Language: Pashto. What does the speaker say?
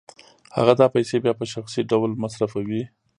هغه دا پیسې بیا په شخصي ډول مصرفوي